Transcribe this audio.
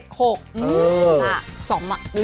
๒มาเลขมากนะ